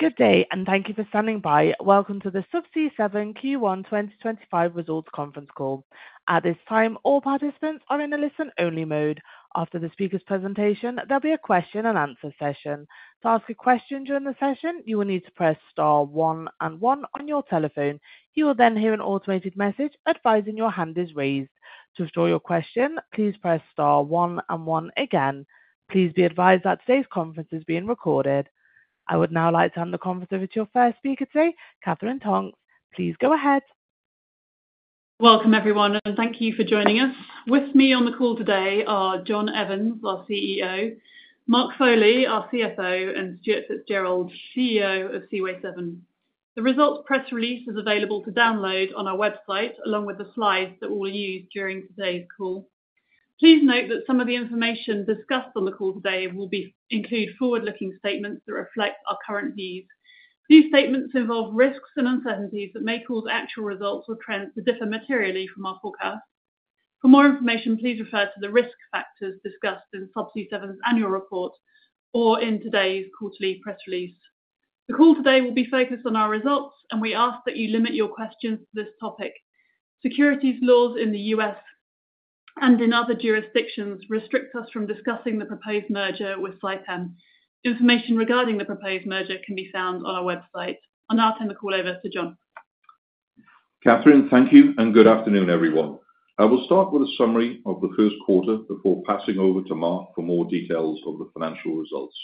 Good day, and thank you for standing by. Welcome to the Subsea 7 Q1 2025 Results Conference Call. At this time, all participants are in a listen-only mode. After the speaker's presentation, there'll be a question-and-answer session. To ask a question during the session, you will need to press star one and one on your telephone. You will then hear an automated message advising your hand is raised. To store your question, please press star one and one again. Please be advised that today's conference is being recorded. I would now like to hand the conference over to your first speaker today, Katherine Tonks. Please go ahead. Welcome, everyone, and thank you for joining us. With me on the call today are John Evans, our CEO; Mark Foley, our CFO; and Stuart Fitzgerald, CEO of Seaway 7. The results press release is available to download on our website, along with the slides that we'll use during today's call. Please note that some of the information discussed on the call today will include forward-looking statements that reflect our current views. These statements involve risks and uncertainties that may cause actual results or trends to differ materially from our forecast. For more information, please refer to the risk factors discussed in Subsea 7's annual report or in today's quarterly press release. The call today will be focused on our results, and we ask that you limit your questions to this topic. Securities laws in the US and in other jurisdictions restrict us from discussing the proposed merger with Saipem. Information regarding the proposed merger can be found on our website. I'll now turn the call over to John. Katherine, thank you, and good afternoon, everyone. I will start with a summary of the first quarter before passing over to Mark for more details of the financial results.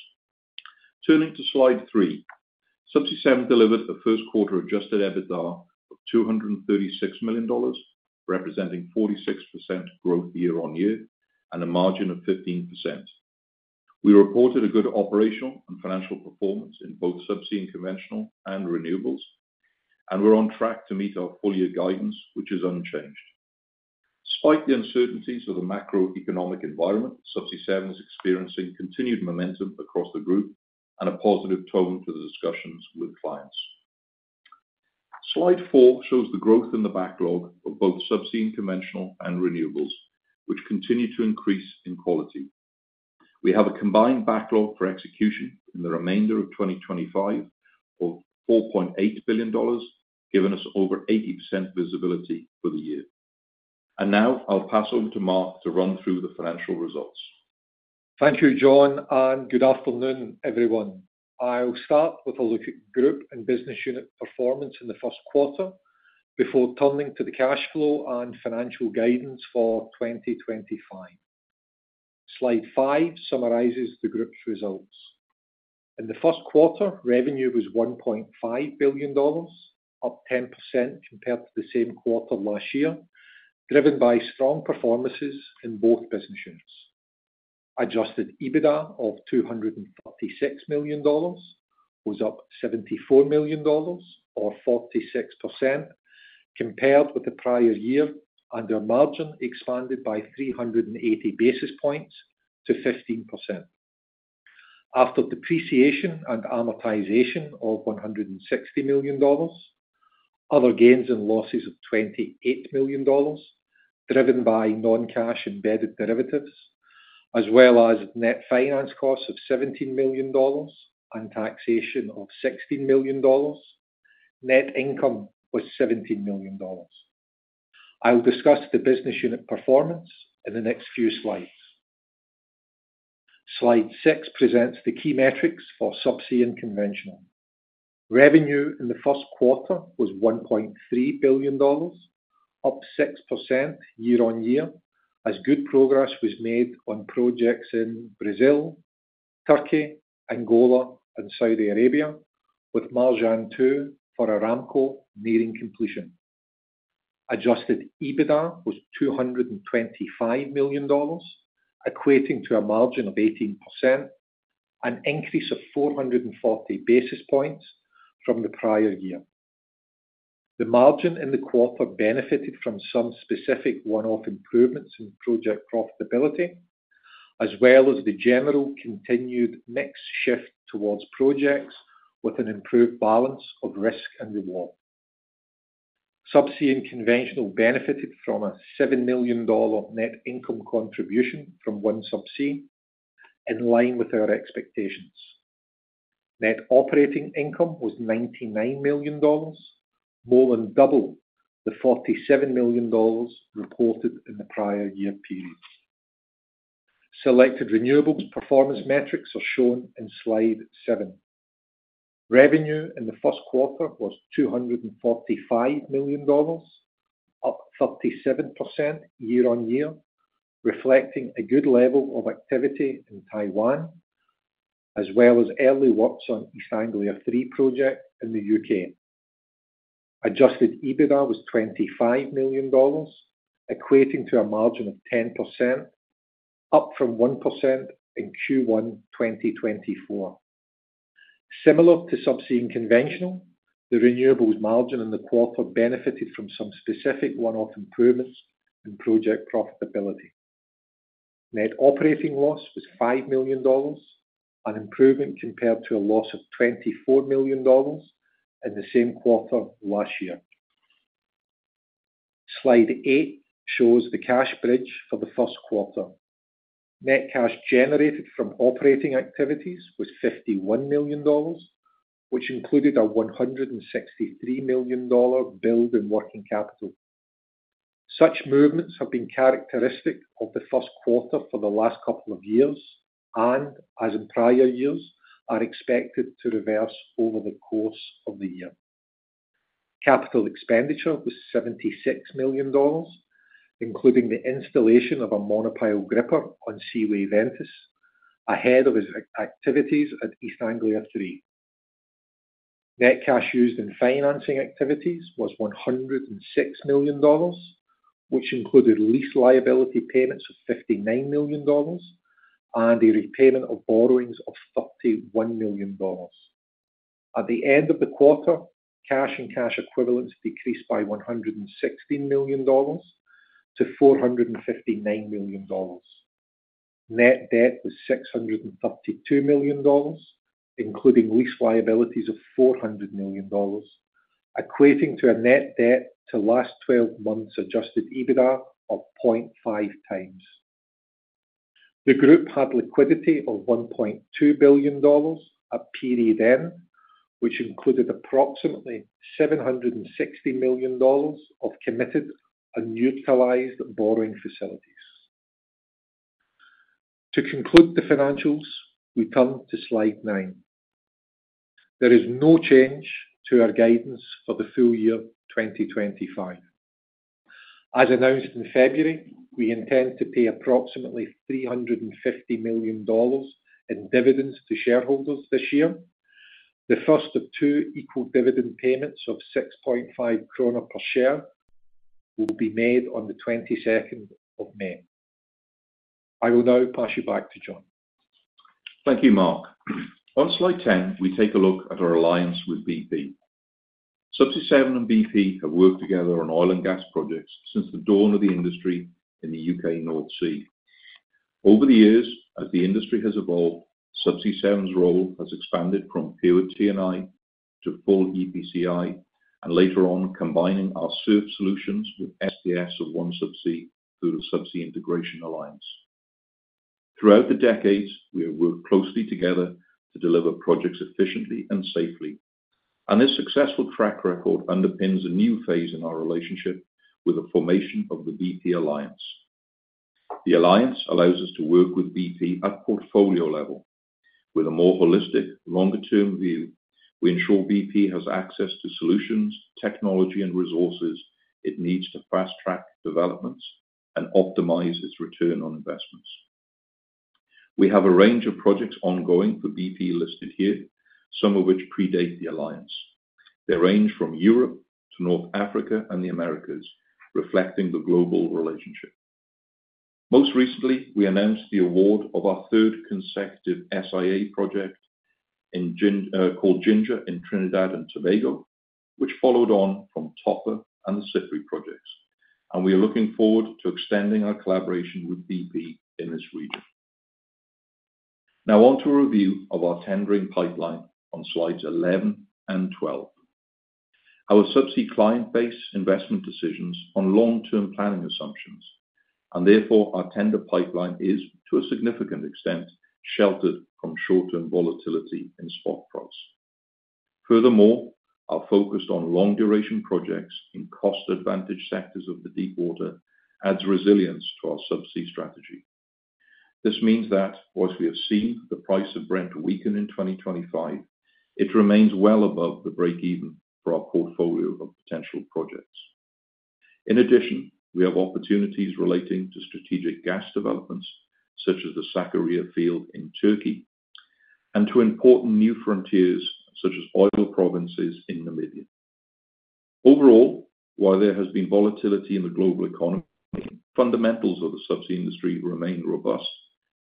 Turning to slide three, Subsea 7 delivered a first-quarter adjusted EBITDA of $236 million, representing 46% growth year-on-year and a margin of 15%. We reported a good operational and financial performance in both Subsea and Conventional and Renewables, and we're on track to meet our full-year guidance, which is unchanged. Despite the uncertainties of the macroeconomic environment, Subsea 7 is experiencing continued momentum across the group and a positive tone to the discussions with clients. Slide four shows the growth in the backlog of both Subsea and Conventional and Renewables, which continue to increase in quality. We have a combined backlog for execution in the remainder of 2025 of $4.8 billion, giving us over 80% visibility for the year. I'll pass over to Mark to run through the financial results. Thank you, John, and good afternoon, everyone. I'll start with a look at group and business unit performance in the first quarter before turning to the cash flow and financial guidance for 2025. Slide five summarizes the group's results. In the first quarter, revenue was $1.5 billion, up 10% compared to the same quarter last year, driven by strong performances in both business units. Adjusted EBITDA of $236 million was up $74 million, or 46%, compared with the prior year, and their margin expanded by 380 basis points to 15%. After depreciation and amortization of $160 million, other gains and losses of $28 million, driven by non-cash embedded derivatives, as well as net finance costs of $17 million and taxation of $16 million, net income was $17 million. I'll discuss the business unit performance in the next few slides. Slide six presents the key metrics for Subsea and Conventional. Revenue in the first quarter was $1.3 billion, up 6% year-on-year, as good progress was made on projects in Brazil, Turkey, Angola, and Saudi Arabia, with Marjan 2 for Aramco nearing completion. Adjusted EBITDA was $225 million, equating to a margin of 18%, an increase of 440 basis points from the prior year. The margin in the quarter benefited from some specific one-off improvements in project profitability, as well as the general continued mix shift towards projects with an improved balance of risk and reward. Subsea and Conventional benefited from a $7 million net income contribution from OneSubsea, in line with our expectations. Net operating income was $99 million, more than double the $47 million reported in the prior year period. Selected Renewables performance metrics are shown in slide seven. Revenue in the first quarter was $245 million, up 37% year-on-year, reflecting a good level of activity in Taiwan, as well as early works on East Anglia THREE project in the U.K. Adjusted EBITDA was $25 million, equating to a margin of 10%, up from 1% in Q1 2024. Similar to Subsea and Conventional, the Renewables margin in the quarter benefited from some specific one-off improvements in project profitability. Net operating loss was $5 million, an improvement compared to a loss of $24 million in the same quarter last year. Slide eight shows the cash bridge for the first quarter. Net cash generated from operating activities was $51 million, which included a $163 million build in working capital. Such movements have been characteristic of the first quarter for the last couple of years and, as in prior years, are expected to reverse over the course of the year. Capital expenditure was $76 million, including the installation of a monopile gripper on Seaway Ventus ahead of its activities at East Anglia THREE. Net cash used in financing activities was $106 million, which included lease liability payments of $59 million and a repayment of borrowings of $31 million. At the end of the quarter, cash and cash equivalents decreased by $116 million to $459 million. Net debt was $632 million, including lease liabilities of $400 million, equating to a net debt to last 12 months adjusted EBITDA of 0.5 times. The group had liquidity of $1.2 billion at period end, which included approximately $760 million of committed and utilized borrowing facilities. To conclude the financials, we turn to slide nine. There is no change to our guidance for the full year 2025. As announced in February, we intend to pay approximately $350 million in dividends to shareholders this year. The first of two equal dividend payments of 6.5 kroner per share will be made on the 22nd of May. I will now pass you back to John. Thank you, Mark. On slide 10, we take a look at our alliance with BP. Subsea 7 and BP have worked together on oil and gas projects since the dawn of the industry in the U.K. North Sea. Over the years, as the industry has evolved, Subsea 7's role has expanded from pure T&I to full EPCI, and later on combining our SURF solutions with SPS of OneSubsea through the Subsea Integration Alliance. Throughout the decades, we have worked closely together to deliver projects efficiently and safely, and this successful track record underpins a new phase in our relationship with the formation of the BP Alliance. The alliance allows us to work with BP at portfolio level. With a more holistic, longer-term view, we ensure BP has access to solutions, technology, and resources it needs to fast-track developments and optimize its return on investments. We have a range of projects ongoing for BP listed here, some of which predate the alliance. They range from Europe to North Africa and the Americas, reflecting the global relationship. Most recently, we announced the award of our third consecutive SIA project called Ginger in Trinidad and Tobago, which followed on from Topaz and the Cypre projects, and we are looking forward to extending our collaboration with BP in this region. Now on to a review of our tendering pipeline on slides 11 and 12. Our subsea client base investment decisions on long-term planning assumptions, and therefore our tender pipeline is, to a significant extent, sheltered from short-term volatility in spot price. Furthermore, our focus on long-duration projects in cost-advantaged sectors of the deepwater adds resilience to our subsea strategy. This means that, whilst we have seen the price of Brent weaken in 2025, it remains well above the break-even for our portfolio of potential projects. In addition, we have opportunities relating to strategic gas developments such as the Sakarya field in Turkey and to important new frontiers such as oil provinces in Namibia. Overall, while there has been volatility in the global economy, fundamentals of the subsea industry remain robust,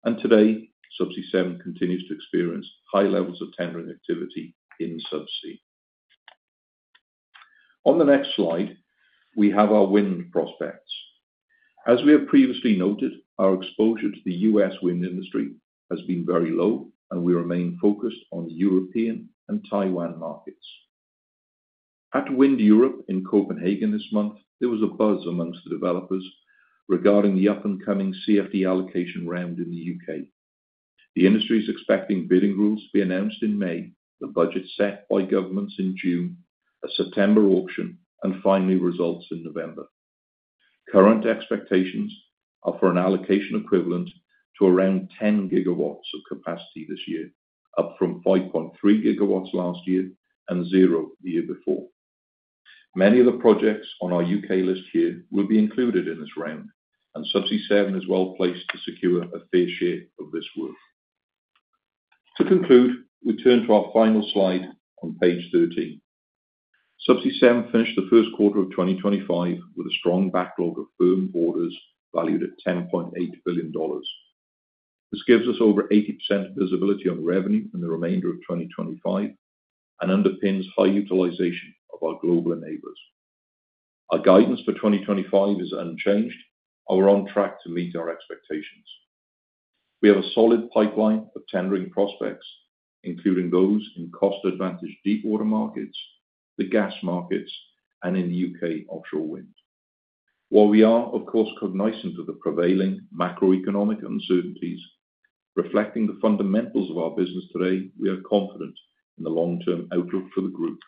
and today, Subsea 7 continues to experience high levels of tendering activity in subsea. On the next slide, we have our wind prospects. As we have previously noted, our exposure to the US wind industry has been very low, and we remain focused on European and Taiwan markets. At WindEurope in Copenhagen this month, there was a buzz amongst the developers regarding the up-and-coming CFD allocation round in the UK. The industry is expecting bidding rules to be announced in May, the budget set by governments in June, a September auction, and finally results in November. Current expectations are for an allocation equivalent to around 10 gigawatts of capacity this year, up from 5.3 gigawatts last year and zero the year before. Many of the projects on our U.K. list here will be included in this round, and Subsea 7 is well placed to secure a fair share of this work. To conclude, we turn to our final slide on page 13. Subsea 7 finished the first quarter of 2025 with a strong backlog of firm orders valued at $10.8 billion. This gives us over 80% visibility on revenue in the remainder of 2025 and underpins high utilization of our global enablers. Our guidance for 2025 is unchanged. We're on track to meet our expectations. We have a solid pipeline of tendering prospects, including those in cost-advantaged deepwater markets, the gas markets, and in the U.K. offshore wind. While we are, of course, cognizant of the prevailing macroeconomic uncertainties, reflecting the fundamentals of our business today, we are confident in the long-term outlook for the group,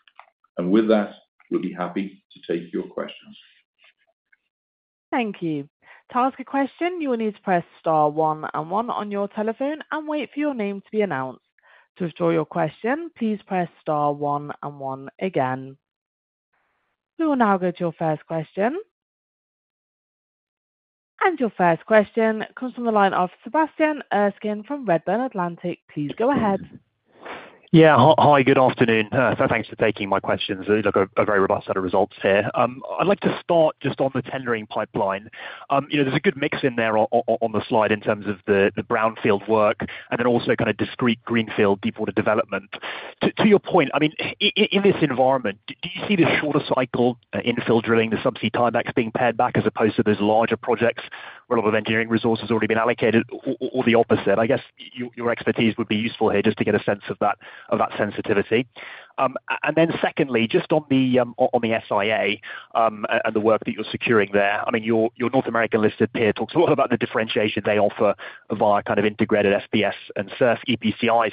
and with that, we'll be happy to take your questions. Thank you. To ask a question, you will need to press star one and one on your telephone and wait for your name to be announced. To withdraw your question, please press star one and one again. We will now go to your first question. Your first question comes from the line of Sebastian Erskine from Redburn Atlantic. Please go ahead. Yeah, hi, good afternoon. Thanks for taking my questions. Look, a very robust set of results here. I'd like to start just on the tendering pipeline. There's a good mix in there on the slide in terms of the brownfield work and then also kind of discreet greenfield deepwater development. To your point, I mean, in this environment, do you see the shorter cycle infill drilling, the subsea tiebacks being pared back as opposed to those larger projects where a lot of engineering resources have already been allocated or the opposite? I guess your expertise would be useful here just to get a sense of that sensitivity. Secondly, just on the SIA and the work that you're securing there, I mean, your North America-listed peer talks a lot about the differentiation they offer via kind of integrated FPSO and SURF EPCI.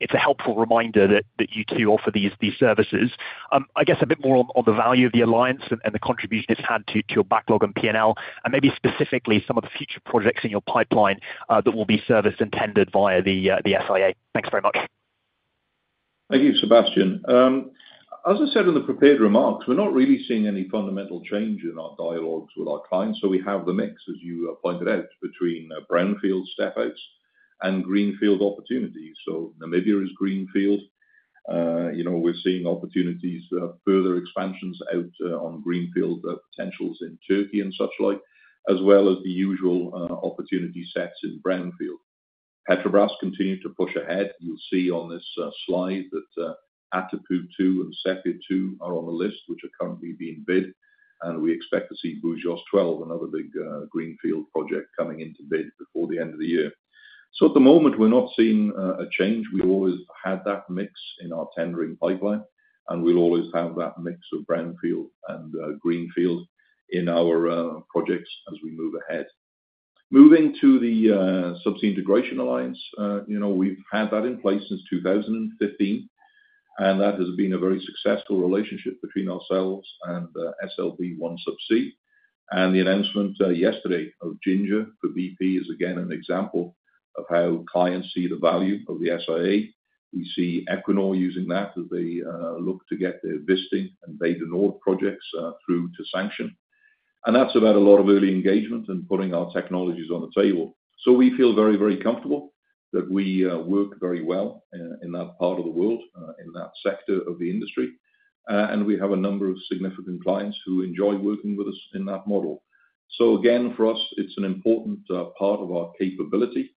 It is a helpful reminder that you two offer these services. I guess a bit more on the value of the alliance and the contribution it has had to your backlog and P&L, and maybe specifically some of the future projects in your pipeline that will be serviced and tendered via the SIA. Thanks very much. Thank you, Sebastian. As I said in the prepared remarks, we're not really seeing any fundamental change in our dialogues with our clients. We have the mix, as you pointed out, between brownfield step-outs and greenfield opportunities. Namibia is greenfield. We're seeing opportunities for further expansions out on greenfield potentials in Turkey and such like, as well as the usual opportunity sets in brownfield. Petrobras continues to push ahead. You'll see on this slide that Atapu 2 and Sépia 2 are on the list, which are currently being bid, and we expect to see Búzios 12, another big greenfield project, coming into bid before the end of the year. At the moment, we're not seeing a change. We always had that mix in our tendering pipeline, and we'll always have that mix of brownfield and greenfield in our projects as we move ahead. Moving to the Subsea Integration Alliance, we've had that in place since 2015, and that has been a very successful relationship between ourselves and SLB OneSubsea. The announcement yesterday of Ginger for BP is again an example of how clients see the value of the SIA. We see Equinor using that as they look to get their Wisting and Bay du Nord projects through to sanction. That is about a lot of early engagement and putting our technologies on the table. We feel very, very comfortable that we work very well in that part of the world, in that sector of the industry, and we have a number of significant clients who enjoy working with us in that model. For us, it is an important part of our capability,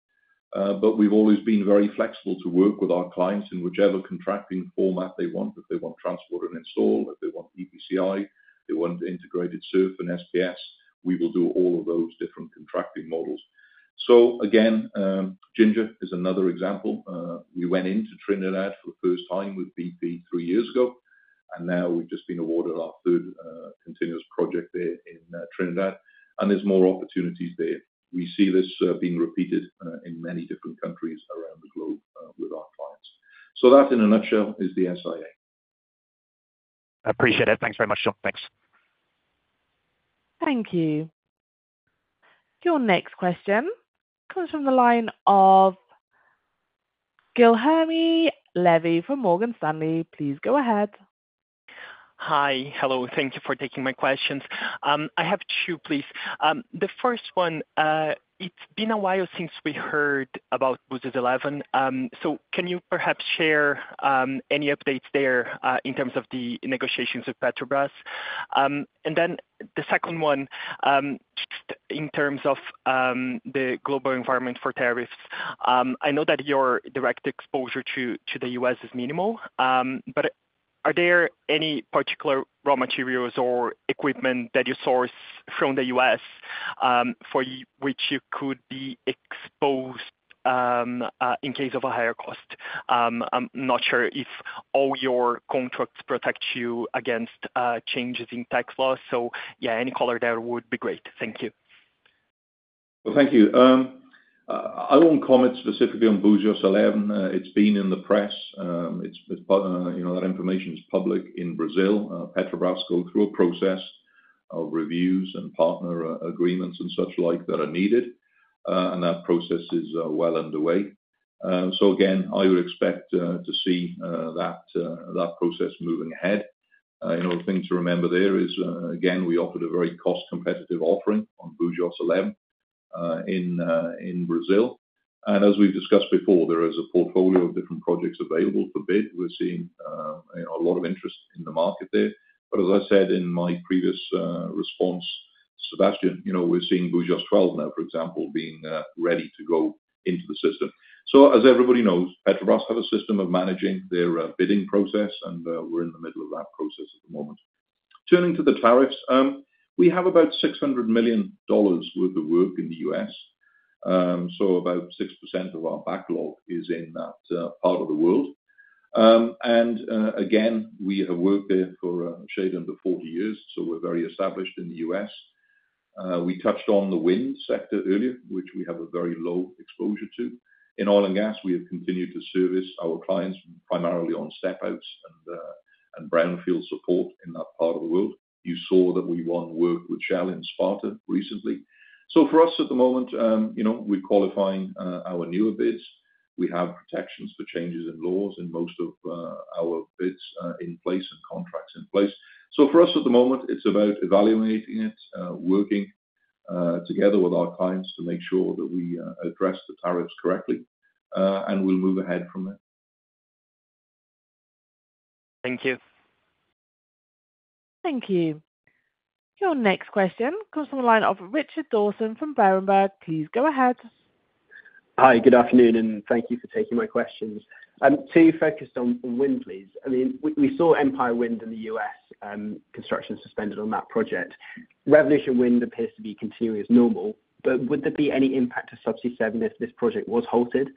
but we've always been very flexible to work with our clients in whichever contracting format they want. If they want transport and install, if they want EPCI, they want integrated SURF and SPS, we will do all of those different contracting models. Ginger is another example. We went into Trinidad for the first time with BP three years ago, and now we've just been awarded our third continuous project there in Trinidad, and there's more opportunities there. We see this being repeated in many different countries around the globe with our clients. That, in a nutshell, is the SIA. Appreciate it. Thanks very much, John. Thanks. Thank you. Your next question comes from the line of Guilherme Levy from Morgan Stanley. Please go ahead. Hi, hello. Thank you for taking my questions. I have two, please. The first one, it's been a while since we heard about Búzios 11. Can you perhaps share any updates there in terms of the negotiations with Petrobras? The second one, just in terms of the global environment for tariffs, I know that your direct exposure to the US is minimal, but are there any particular raw materials or equipment that you source from the US for which you could be exposed in case of a higher cost? I'm not sure if all your contracts protect you against changes in tax law, so yeah, any color there would be great. Thank you. Thank you. I will not comment specifically on Búzios 11. It has been in the press. That information is public in Brazil. Petrobras goes through a process of reviews and partner agreements and such like that are needed, and that process is well underway. I would expect to see that process moving ahead. The thing to remember there is, again, we offered a very cost-competitive offering on Búzios 11 in Brazil. As we have discussed before, there is a portfolio of different projects available for bid. We are seeing a lot of interest in the market there. As I said in my previous response, Sebastian, we are seeing Búzios 12 now, for example, being ready to go into the system. As everybody knows, Petrobras have a system of managing their bidding process, and we are in the middle of that process at the moment. Turning to the tariffs, we have about $600 million worth of work in the US. About 6% of our backlog is in that part of the world. Again, we have worked there for just under 40 years, so we're very established in the US. We touched on the wind sector earlier, which we have a very low exposure to. In oil and gas, we have continued to service our clients primarily on step-outs and brownfield support in that part of the world. You saw that we won work with Shell in Sparta recently. For us at the moment, we're qualifying our newer bids. We have protections for changes in laws in most of our bids in place and contracts in place. For us at the moment, it's about evaluating it, working together with our clients to make sure that we address the tariffs correctly, and we'll move ahead from there. Thank you. Thank you. Your next question comes from the line of Richard George Dawson from Joh. Berenberg. Please go ahead. Hi, good afternoon, and thank you for taking my questions. To focus on wind, please. I mean, we saw Empire Wind in the US construction suspended on that project. Revolution Wind appears to be continuing as normal, but would there be any impact to Subsea 7 if this project was halted,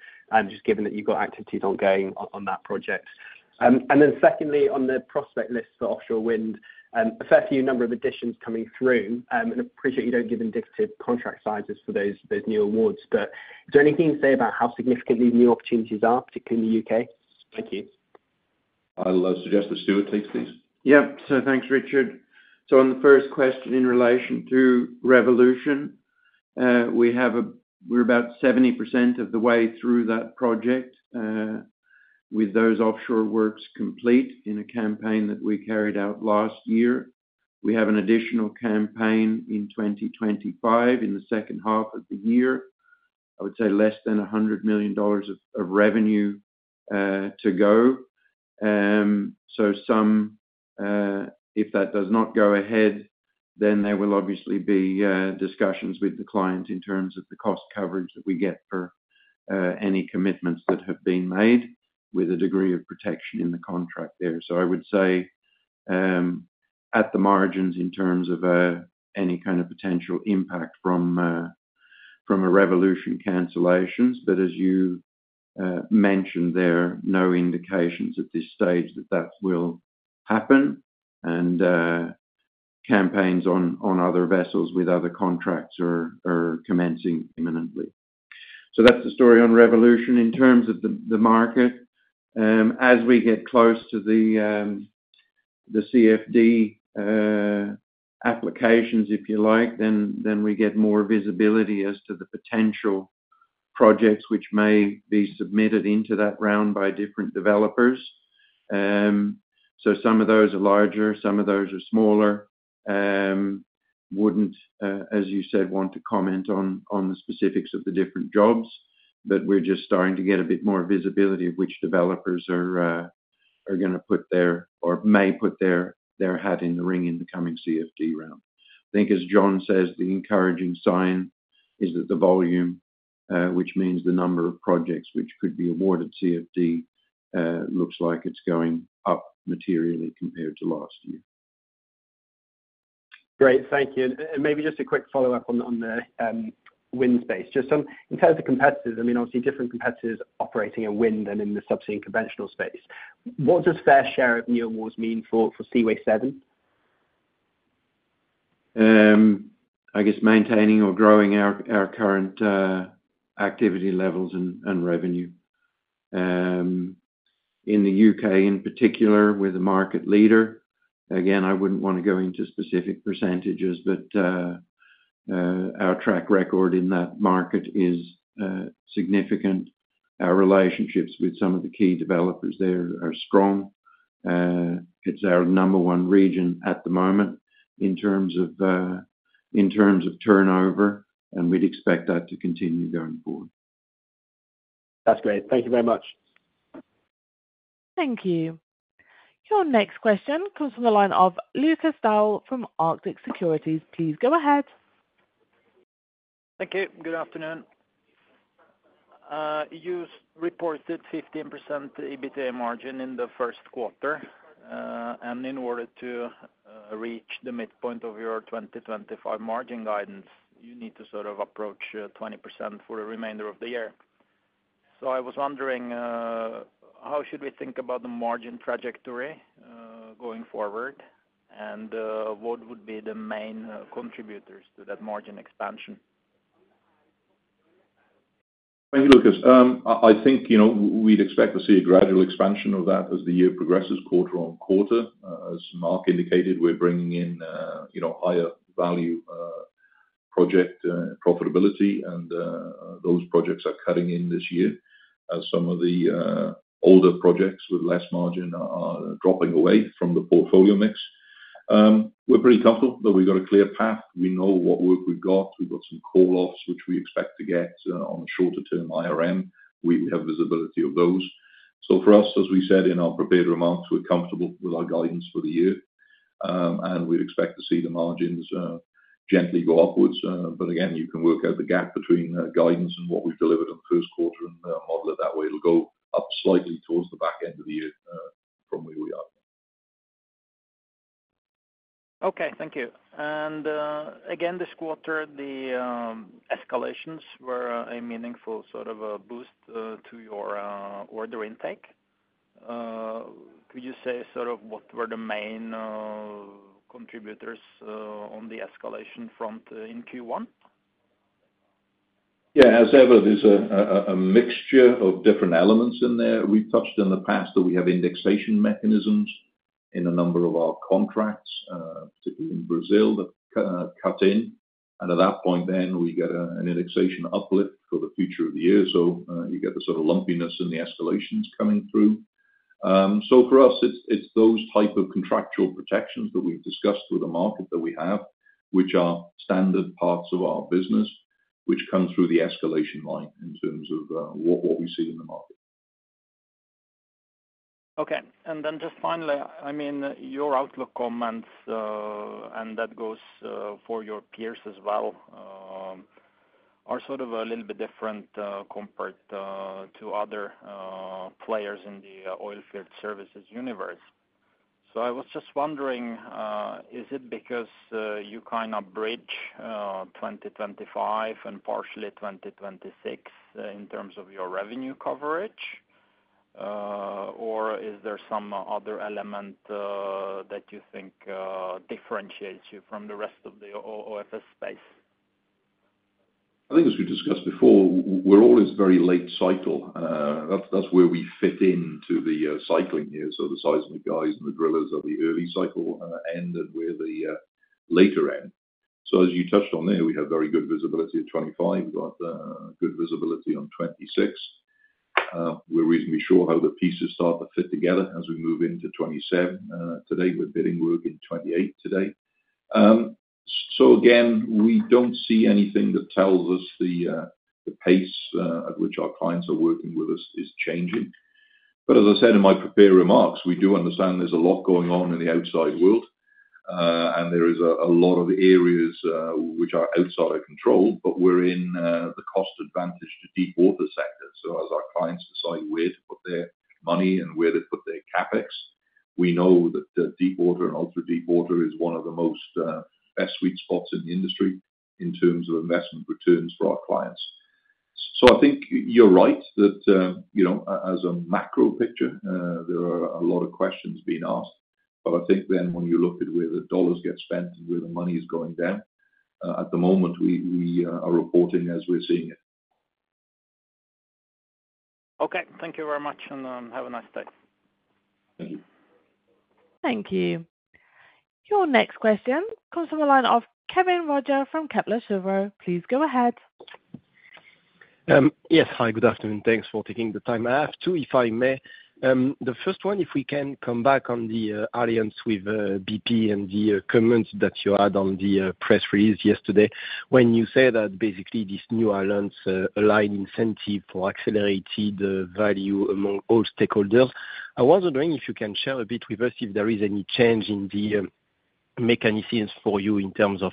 just given that you've got activities ongoing on that project? Secondly, on the prospect list for offshore wind, a fair few number of additions coming through, and I appreciate you don't give indicative contract sizes for those new awards, but is there anything you'd say about how significant these new opportunities are, particularly in the UK? Thank you. I'll suggest the Stuart takes these. Yeah, thanks, Richard. On the first question in relation to Revolution, we're about 70% of the way through that project with those offshore works complete in a campaign that we carried out last year. We have an additional campaign in 2025 in the second half of the year. I would say less than $100 million of revenue to go. If that does not go ahead, there will obviously be discussions with the clients in terms of the cost coverage that we get for any commitments that have been made with a degree of protection in the contract there. I would say at the margins in terms of any kind of potential impact from Revolution cancellations, but as you mentioned there, no indications at this stage that that will happen, and campaigns on other vessels with other contracts are commencing imminently. That's the story on Revolution. In terms of the market, as we get close to the CFD applications, if you like, we get more visibility as to the potential projects which may be submitted into that round by different developers. Some of those are larger, some of those are smaller. Wouldn't, as you said, want to comment on the specifics of the different jobs, but we're just starting to get a bit more visibility of which developers are going to put their or may put their hat in the ring in the coming CFD round. I think, as John says, the encouraging sign is that the volume, which means the number of projects which could be awarded CFD, looks like it's going up materially compared to last year. Great, thank you. Maybe just a quick follow-up on the wind space. Just in terms of competitors, I mean, obviously different competitors operating in wind and in the subsea and conventional space. What does fair share of new awards mean for Seaway 7? I guess maintaining or growing our current activity levels and revenue. In the U.K., in particular, we're the market leader. Again, I wouldn't want to go into specific percentages, but our track record in that market is significant. Our relationships with some of the key developers there are strong. It's our number one region at the moment in terms of turnover, and we'd expect that to continue going forward. That's great. Thank you very much. Thank you. Your next question comes from the line of Lukas Daul from Arctic Securities. Please go ahead. Thank you. Good afternoon. You reported 15% EBITDA margin in the first quarter, and in order to reach the midpoint of your 2025 margin guidance, you need to sort of approach 20% for the remainder of the year. I was wondering, how should we think about the margin trajectory going forward, and what would be the main contributors to that margin expansion? Thank you, Lukas. I think we'd expect to see a gradual expansion of that as the year progresses quarter on quarter. As Mark indicated, we're bringing in higher value project profitability, and those projects are cutting in this year. Some of the older projects with less margin are dropping away from the portfolio mix. We're pretty comfortable that we've got a clear path. We know what work we've got. We've got some call-offs which we expect to get on the shorter-term IRM. We have visibility of those. For us, as we said in our prepared remarks, we're comfortable with our guidance for the year, and we'd expect to see the margins gently go upwards. Again, you can work out the gap between guidance and what we've delivered in the first quarter and model it that way. It'll go up slightly towards the back end of the year from where we are. Thank you. This quarter, the escalations were a meaningful sort of boost to your order intake. Could you say sort of what were the main contributors on the escalation front in Q1? Yeah, as ever, there's a mixture of different elements in there. We've touched in the past that we have indexation mechanisms in a number of our contracts, particularly in Brazil, that cut in. At that point, we get an indexation uplift for the future of the year. You get the sort of lumpiness in the escalations coming through. For us, it's those types of contractual protections that we've discussed with the market that we have, which are standard parts of our business, which come through the escalation line in terms of what we see in the market. Okay. And then just finally, I mean, your outlook comments, and that goes for your peers as well, are sort of a little bit different compared to other players in the oilfield services universe. I was just wondering, is it because you kind of bridge 2025 and partially 2026 in terms of your revenue coverage, or is there some other element that you think differentiates you from the rest of the OFS space? I think, as we've discussed before, we're always very late cycle. That's where we fit into the cycling here. The seismic guys and the drillers are the early cycle end, and we're the later end. As you touched on there, we have very good visibility at 2025. We've got good visibility on 2026. We're reasonably sure how the pieces start to fit together as we move into 2027. Today, we're bidding work in 2028. We don't see anything that tells us the pace at which our clients are working with us is changing. As I said in my prepared remarks, we do understand there's a lot going on in the outside world, and there are a lot of areas which are outside of control, but we're in the cost advantage to deepwater sector. As our clients decide where to put their money and where they put their CapEx, we know that deepwater and ultra-deepwater is one of the best sweet spots in the industry in terms of investment returns for our clients. I think you're right that as a macro picture, there are a lot of questions being asked, but I think then when you look at where the dollars get spent and where the money is going down, at the moment, we are reporting as we're seeing it. Okay, thank you very much, and have a nice day. Thank you. Thank you. Your next question comes from the line of Kévin Roger from Kepler Cheuvreux. Please go ahead. Yes, hi, good afternoon. Thanks for taking the time. I have two, if I may. The first one, if we can come back on the alliance with BP and the comments that you had on the press release yesterday when you said that basically this new alliance aligned incentive for accelerated value among all stakeholders. I was wondering if you can share a bit with us if there is any change in the mechanisms for you in terms of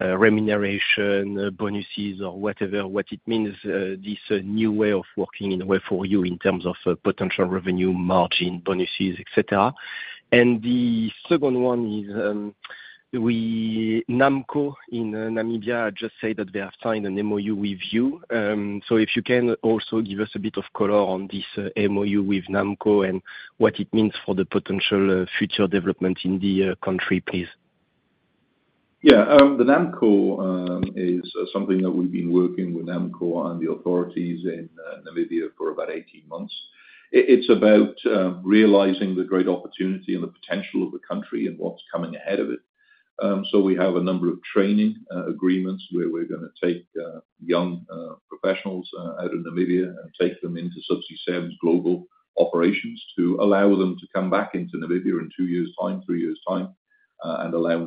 remuneration, bonuses, or whatever what it means, this new way of working in a way for you in terms of potential revenue, margin, bonuses, etc. The second one is NAMCOR in Namibia just said that they have signed an MoU with you. If you can also give us a bit of color on this MoU with NAMCOR and what it means for the potential future development in the country, please. Yeah, NAMCOR is something that we've been working with NAMCOR and the authorities in Namibia for about 18 months. It's about realizing the great opportunity and the potential of the country and what's coming ahead of it. We have a number of training agreements where we're going to take young professionals out of Namibia and take them into Subsea 7's global operations to allow them to come back into Namibia in two years' time, three years' time, and allow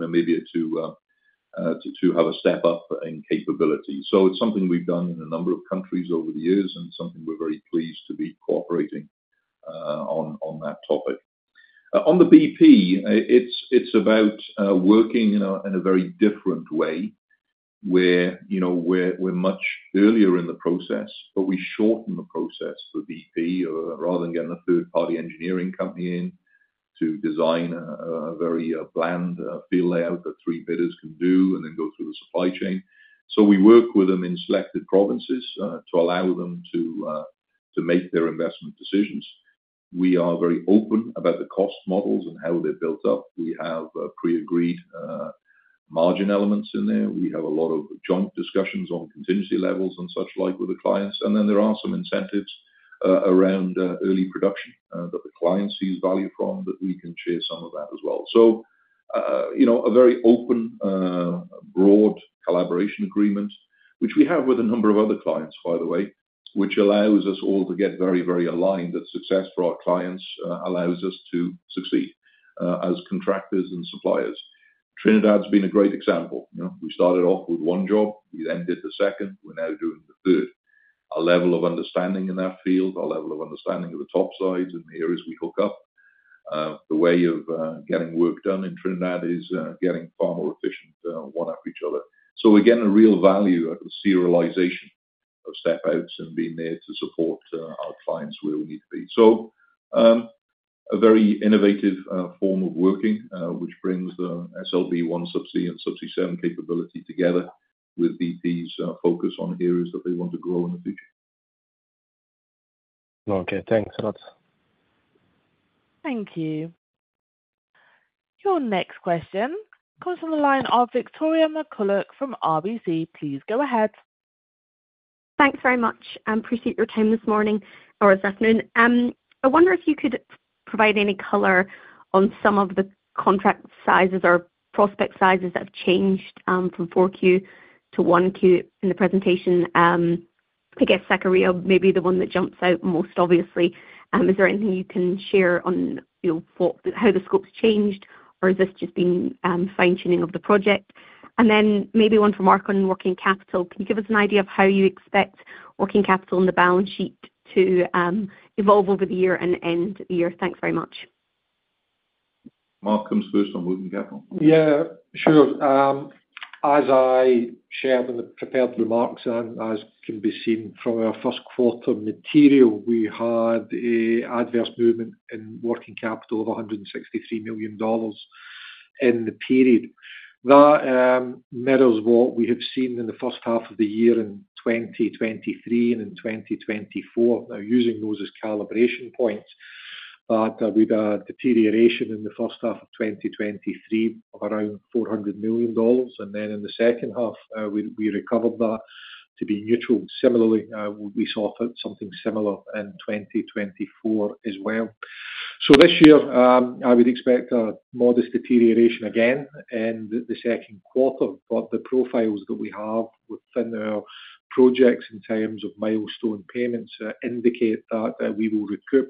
Namibia to have a step-up in capability. It's something we've done in a number of countries over the years and something we're very pleased to be cooperating on that topic. On the BP, it's about working in a very different way where we're much earlier in the process, but we shorten the process for BP rather than getting a third-party engineering company in to design a very bland field layout that three bidders can do and then go through the supply chain. We work with them in selected provinces to allow them to make their investment decisions. We are very open about the cost models and how they're built up. We have pre-agreed margin elements in there. We have a lot of joint discussions on contingency levels and such like with the clients. There are some incentives around early production that the client sees value from that we can share some of that as well. A very open, broad collaboration agreement, which we have with a number of other clients, by the way, allows us all to get very, very aligned that success for our clients allows us to succeed as contractors and suppliers. Trinidad has been a great example. We started off with one job. We then did the second. We're now doing the third. Our level of understanding in that field, our level of understanding of the top side, and here is we hook up. The way of getting work done in Trinidad is getting far more efficient one after each other. We're getting a real value out of serialization of step-outs and being there to support our clients where we need to be. A very innovative form of working which brings the SLB OneSubsea, Subsea, and Subsea 7 capability together with BP's focus on here is that they want to grow in the future. Okay, thanks a lot. Thank you. Your next question comes from the line of Victoria McCulloch from RBC. Please go ahead. Thanks very much. I appreciate your time this morning or this afternoon. I wonder if you could provide any color on some of the contract sizes or prospect sizes that have changed from Q4-Q1 in the presentation. I guess Sakarya may be the one that jumps out most obviously. Is there anything you can share on how the scope's changed, or has this just been fine-tuning of the project? Maybe one from Mark on working capital. Can you give us an idea of how you expect working capital on the balance sheet to evolve over the year and end the year? Thanks very much. Mark comes first on working capital. Yeah, sure. As I shared in the prepared remarks and as can be seen from our first quarter material, we had an adverse movement in working capital of $163 million in the period. That mirrors what we have seen in the first half of the year in 2023 and in 2024. Now, using those as calibration points, we've had a deterioration in the first half of 2023 of around $400 million. In the second half, we recovered that to be neutral. Similarly, we saw something similar in 2024 as well. This year, I would expect a modest deterioration again in the second quarter. The profiles that we have within our projects in terms of milestone payments indicate that we will recoup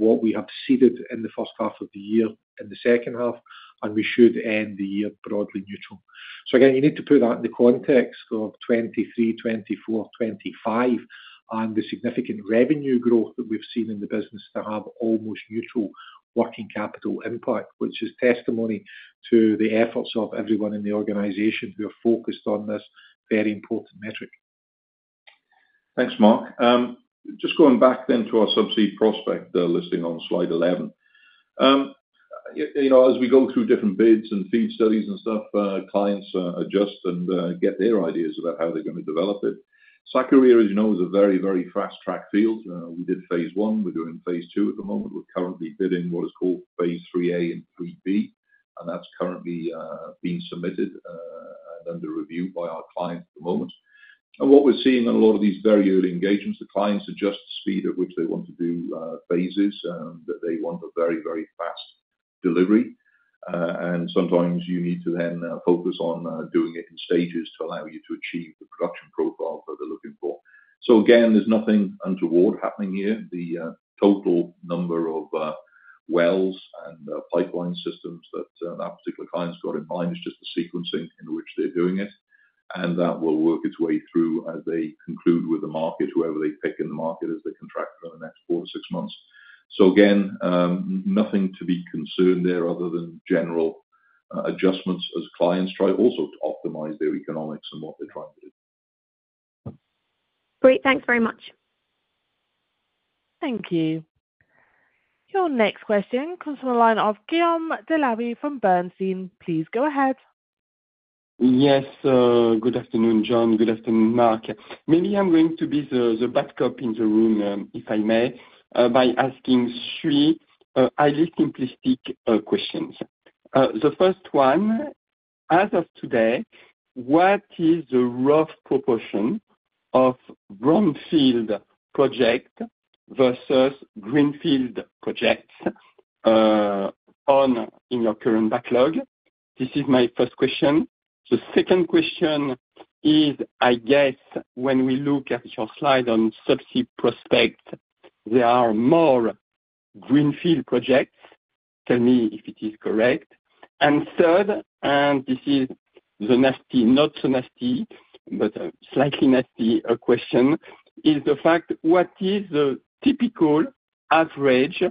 what we have seeded in the first half of the year in the second half, and we should end the year broadly neutral. You need to put that in the context of 2023, 2024, 2025, and the significant revenue growth that we've seen in the business to have almost neutral working capital impact, which is testimony to the efforts of everyone in the organization who have focused on this very important metric. Thanks, Mark. Just going back then to our subsea prospect listing on slide 11. As we go through different bids and FEED studies and stuff, clients adjust and get their ideas about how they're going to develop it. Sakarya, as you know, is a very, very fast-track field. We did phase I. We're doing phase II at the moment. We're currently bidding what is called phase IIIA and IIIB, and that's currently being submitted and under review by our clients at the moment. What we're seeing in a lot of these very early engagements, the clients adjust the speed at which they want to do phases, that they want a very, very fast delivery. Sometimes you need to then focus on doing it in stages to allow you to achieve the production profile that they're looking for. There is nothing untoward happening here. The total number of wells and pipeline systems that that particular client's got in mind is just the sequencing in which they're doing it. That will work its way through as they conclude with the market, whoever they pick in the market as they contract for the next four to six months. Nothing to be concerned there other than general adjustments as clients try also to optimize their economics and what they're trying to do. Great. Thanks very much. Thank you. Your next question comes from the line of Guillaume Delaby from Bernstein. Please go ahead. Yes, good afternoon, John. Good afternoon, Mark. Maybe I'm going to be the backup in the room, if I may, by asking three highly simplistic questions. The first one, as of today, what is the rough proportion of brownfield project versus greenfield projects on in your current backlog? This is my first question. The second question is, I guess, when we look at your slide on subsea prospect, there are more greenfield projects. Tell me if it is correct. And third, and this is the nasty, not so nasty, but slightly nasty question, is the fact, what is the typical average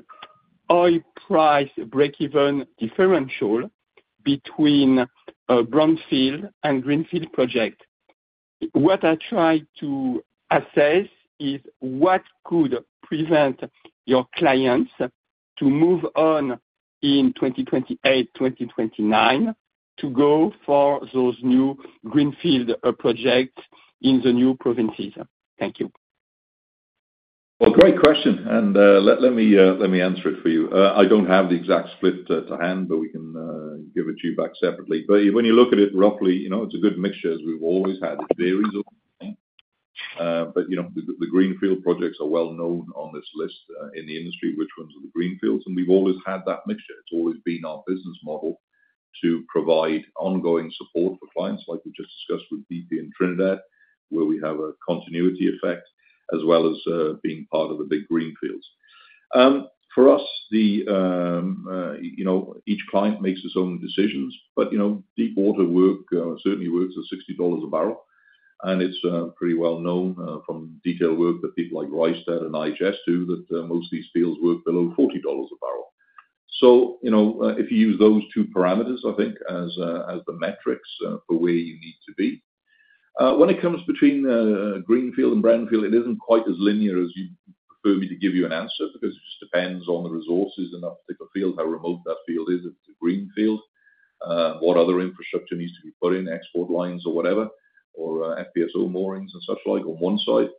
oil price break-even differential between a brownfield and greenfield project? What I try to assess is what could prevent your clients to move on in 2028, 2029 to go for those new greenfield projects in the new provinces. Thank you. Great question. Let me answer it for you. I don't have the exact split to hand, but we can give it to you back separately. When you look at it roughly, it's a good mixture as we've always had. It varies over time. The greenfield projects are well known on this list in the industry, which ones are the greenfields. We've always had that mixture. It's always been our business model to provide ongoing support for clients like we've just discussed with BP and Trinidad, where we have a continuity effect as well as being part of the big greenfields. For us, each client makes his own decisions. Deepwater work certainly works at $60 a barrel. It's pretty well known from detailed work that people like Rystad and IHS do that most of these fields work below $40 a barrel. If you use those two parameters, I think, as the metrics for where you need to be. When it comes between greenfield and brownfield, it isn't quite as linear as you prefer me to give you an answer because it just depends on the resources in that particular field, how remote that field is, if it's a greenfield, what other infrastructure needs to be put in, export lines or whatever, or FPSO moorings and such like on one side.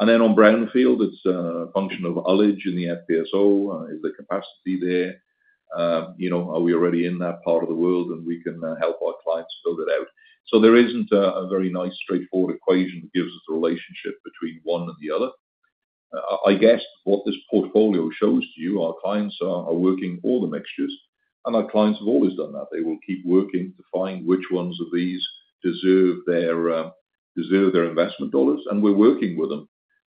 Then on brownfield, it's a function of ullage in the FPSO. Is there capacity there? Are we already in that part of the world and we can help our clients build it out? There isn't a very nice straightforward equation that gives us the relationship between one and the other. I guess what this portfolio shows to you, our clients are working all the mixtures. Our clients have always done that. They will keep working to find which ones of these deserve their investment dollars. We are working with them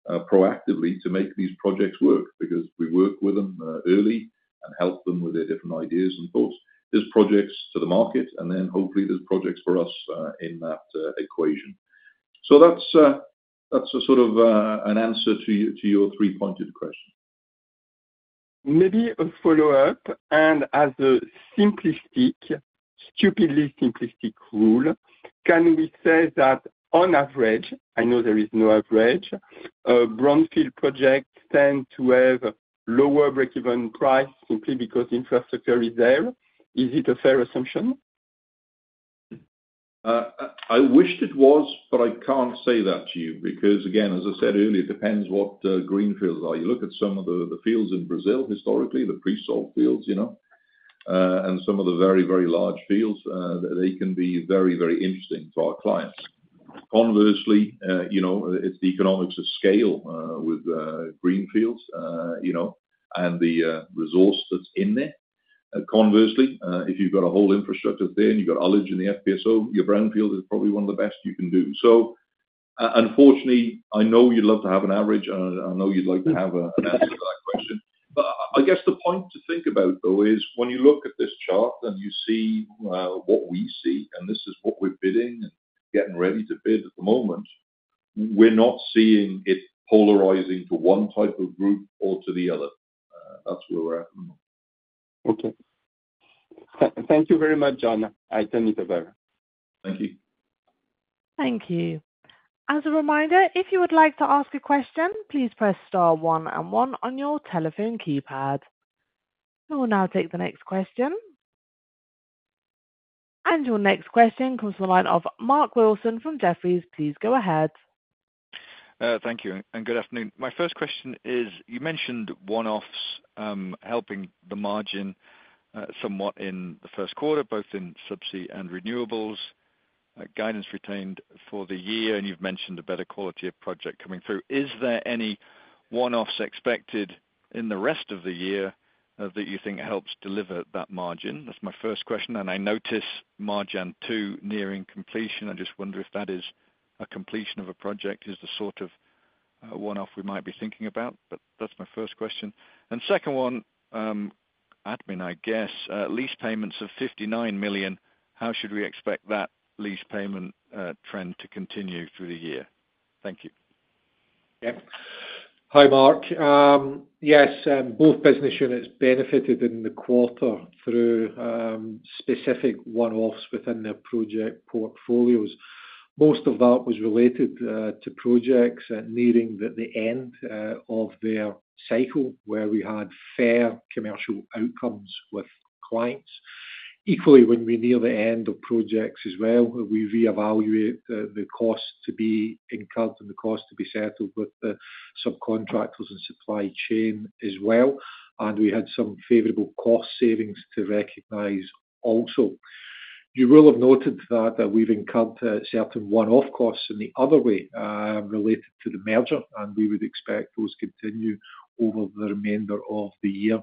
proactively to make these projects work because we work with them early and help them with their different ideas and thoughts. There are projects to the market, and then hopefully there are projects for us in that equation. That is sort of an answer to your three-pointed question. Maybe a follow-up. As a simplistic, stupidly simplistic rule, can we say that on average, I know there is no average, brownfield projects tend to have lower break-even price simply because infrastructure is there? Is it a fair assumption? I wish it was, but I can't say that to you because, again, as I said earlier, it depends what greenfields are. You look at some of the fields in Brazil historically, the pre-salt fields, and some of the very, very large fields, they can be very, very interesting to our clients. Conversely, it's the economics of scale with greenfields and the resource that's in there. Conversely, if you've got a whole infrastructure there and you've got ullage in the FPSO, your brownfield is probably one of the best you can do. Unfortunately, I know you'd love to have an average, and I know you'd like to have an answer to that question. I guess the point to think about, though, is when you look at this chart and you see what we see, and this is what we're bidding and getting ready to bid at the moment, we're not seeing it polarizing to one type of group or to the other. That's where we're at at the moment. Okay. Thank you very much, John. I turn it over. Thank you. Thank you. As a reminder, if you would like to ask a question, please press star one and one on your telephone keypad. We will now take the next question. Your next question comes from the line of Mark Wilson from Jefferies. Please go ahead. Thank you. Good afternoon. My first question is, you mentioned one-offs helping the margin somewhat in the first quarter, both in Subsea and Renewables, guidance retained for the year, and you have mentioned a better quality of project coming through. Is there any one-offs expected in the rest of the year that you think helps deliver that margin? That is my first question. I notice Marjan 2 nearing completion. I just wonder if that is a completion of a project. Is that the sort of one-off we might be thinking about? That is my first question. My second one, admin, I guess, lease payments of $59 million. How should we expect that lease payment trend to continue through the year? Thank you. Yep. Hi, Mark. Yes, both business units benefited in the quarter through specific one-offs within their project portfolios. Most of that was related to projects nearing the end of their cycle where we had fair commercial outcomes with clients. Equally, when we near the end of projects as well, we reevaluate the cost to be incurred and the cost to be settled with the subcontractors and supply chain as well. We had some favorable cost savings to recognize also. You will have noted that we've incurred certain one-off costs in the other way related to the merger, and we would expect those to continue over the remainder of the year.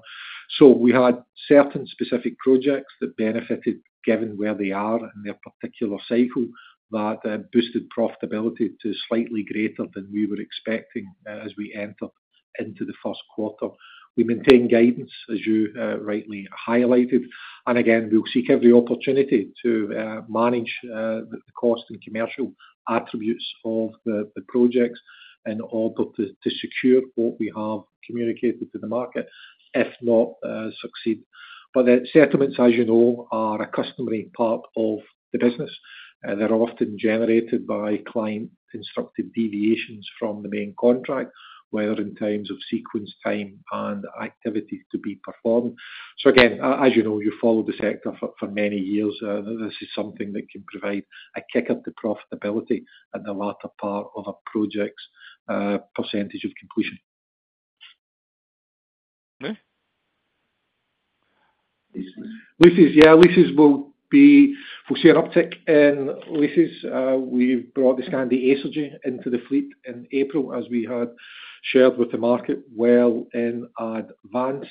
We had certain specific projects that benefited given where they are in their particular cycle that boosted profitability to slightly greater than we were expecting as we entered into the first quarter. We maintain guidance, as you rightly highlighted. Again, we'll seek every opportunity to manage the cost and commercial attributes of the projects in order to secure what we have communicated to the market, if not succeed. The settlements, as you know, are a customary part of the business. They're often generated by client-instructed deviations from the main contract, whether in terms of sequence, time, and activity to be performed. Again, as you know, you follow the sector for many years. This is something that can provide a kick up to profitability at the latter part of a project's percentage of completion. Leases. Leases. Yeah, leases will be for share uptick in leases. We've brought the Skandi Acergy into the fleet in April, as we had shared with the market well in advance.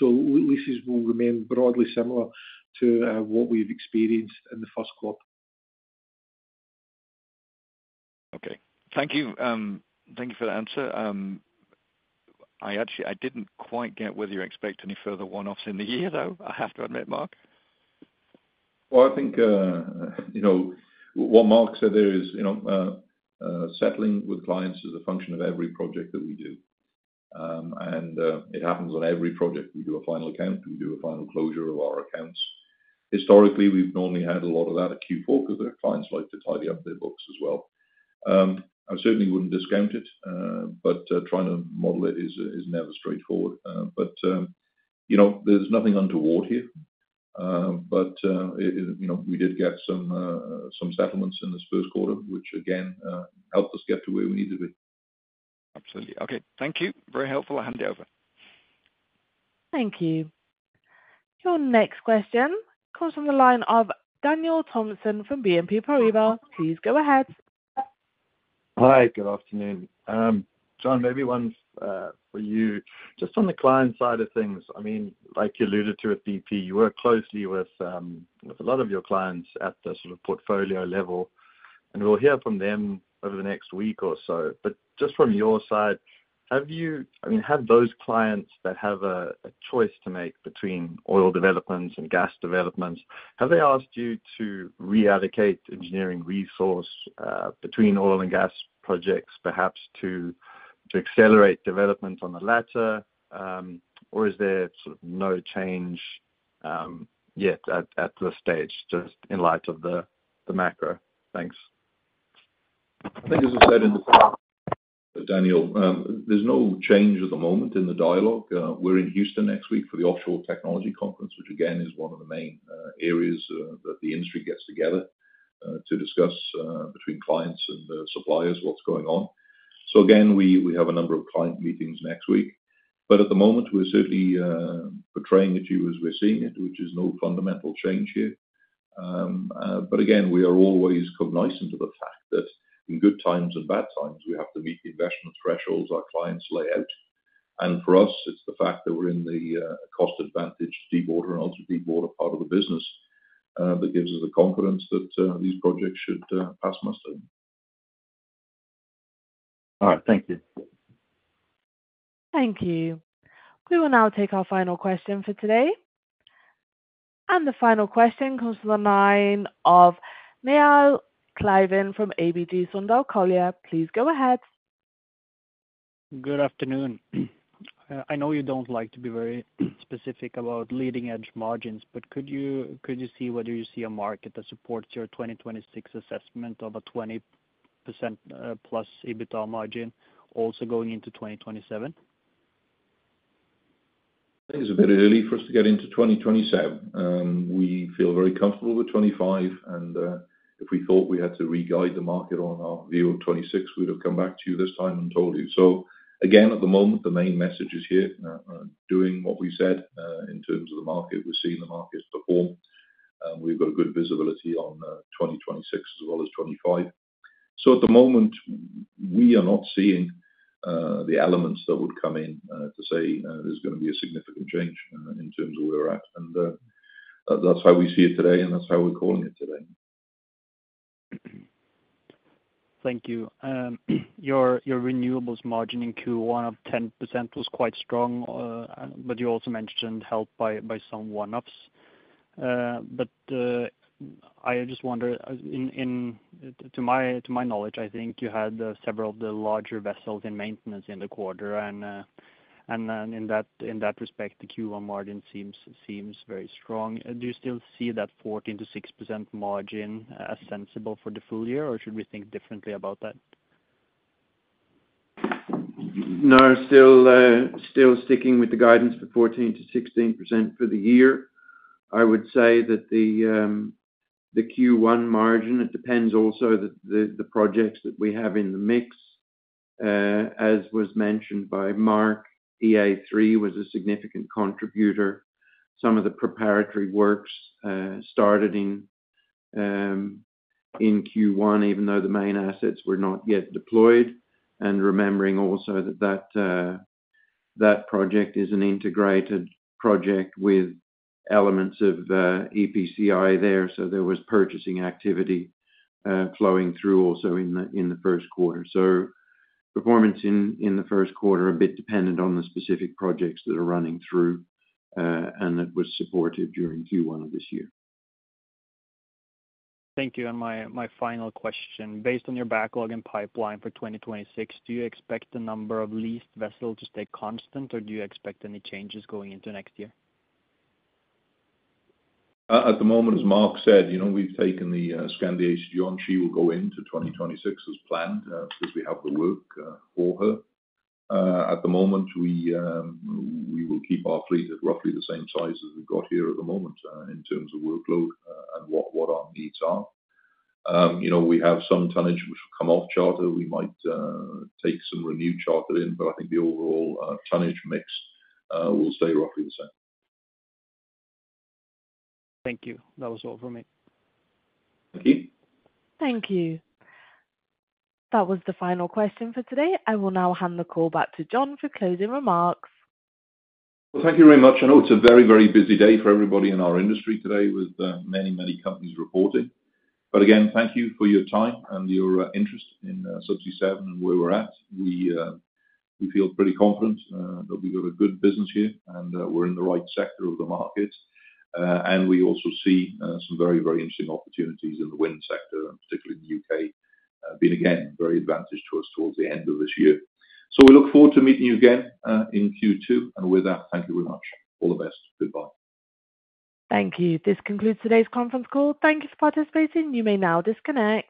Leases will remain broadly similar to what we've experienced in the first quarter. Okay. Thank you. Thank you for the answer. I didn't quite get whether you expect any further one-offs in the year, though, I have to admit, Mark. I think what Mark said there is settling with clients is a function of every project that we do. It happens on every project. We do a final account. We do a final closure of our accounts. Historically, we've normally had a lot of that at Q4 because our clients like to tidy up their books as well. I certainly wouldn't discount it, but trying to model it is never straightforward. There's nothing untoward here. We did get some settlements in this first quarter, which again helped us get to where we needed to be. Absolutely. Okay. Thank you. Very helpful. I hand it over. Thank you. Your next question comes from the line of Daniel Thomson from BNP Paribas. Please go ahead. Hi. Good afternoon. John, maybe one for you. Just on the client side of things, I mean, like you alluded to at BP, you work closely with a lot of your clients at the sort of portfolio level. We will hear from them over the next week or so. Just from your side, I mean, have those clients that have a choice to make between oil developments and gas developments, have they asked you to reallocate engineering resource between oil and gas projects, perhaps to accelerate development on the latter? Or is there sort of no change yet at this stage, just in light of the macro? Thanks. I think as I said in the start, Daniel, there's no change at the moment in the dialogue. We're in Houston next week for the Offshore Technology Conference, which again is one of the main areas that the industry gets together to discuss between clients and suppliers what's going on. We have a number of client meetings next week. At the moment, we're certainly portraying it to you as we're seeing it, which is no fundamental change here. We are always cognizant of the fact that in good times and bad times, we have to meet the investment thresholds our clients lay out. For us, it's the fact that we're in the cost-advantaged deepwater and ultra-deepwater part of the business that gives us the confidence that these projects should pass muster. All right. Thank you. Thank you. We will now take our final question for today. The final question comes from the line of Njål Kleiven from ABG Sundal Collier. Please go ahead. Good afternoon. I know you don't like to be very specific about leading-edge margins, but could you see whether you see a market that supports your 2026 assessment of a 20%+ EBITDA margin also going into 2027? I think it's a bit early for us to get into 2027. We feel very comfortable with 25. If we thought we had to re-guide the market on our view of 26, we'd have come back to you this time and told you. Again, at the moment, the main message is here, doing what we said in terms of the market, we're seeing the market perform. We've got good visibility on 2026 as well as 25. At the moment, we are not seeing the elements that would come in to say there's going to be a significant change in terms of where we're at. That's how we see it today, and that's how we're calling it today. Thank you. Your renewables margin in Q1 of 10% was quite strong, but you also mentioned help by some one-offs. I just wonder, to my knowledge, I think you had several of the larger vessels in maintenance in the quarter. In that respect, the Q1 margin seems very strong. Do you still see that 14-6% margin as sensible for the full year, or should we think differently about that? No, still sticking with the guidance for 14%-16% for the year. I would say that the Q1 margin, it depends also the projects that we have in the mix. As was mentioned by Mark, East Anglia THREE was a significant contributor. Some of the preparatory works started in Q1, even though the main assets were not yet deployed. Remembering also that that project is an integrated project with elements of EPCI there. There was purchasing activity flowing through also in the first quarter. Performance in the first quarter was a bit dependent on the specific projects that are running through and that were supported during Q1 of this year. Thank you. My final question. Based on your backlog and pipeline for 2026, do you expect the number of leased vessels to stay constant, or do you expect any changes going into next year? At the moment, as Mark said, we've taken the Skandi Acergy on. She will go into 2026 as planned because we have the work for her. At the moment, we will keep our fleet at roughly the same size as we've got here at the moment in terms of workload and what our needs are. We have some tonnage which will come off charter. We might take some renewed charter in, but I think the overall tonnage mix will stay roughly the same. Thank you. That was all from me. Thank you. Thank you. That was the final question for today. I will now hand the call back to John for closing remarks. Thank you very much. I know it's a very, very busy day for everybody in our industry today with many, many companies reporting. Again, thank you for your time and your interest in Subsea 7 and where we're at. We feel pretty confident that we've got a good business here and we're in the right sector of the market. We also see some very, very interesting opportunities in the wind sector, particularly in the UK, being again very advantageous towards the end of this year. We look forward to meeting you again in Q2. With that, thank you very much. All the best. Goodbye. Thank you. This concludes today's conference call. Thank you for participating. You may now disconnect.